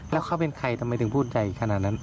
แล้วเขาเป็นใครทำไมถึงพูดใหญ่ขนาดนั้น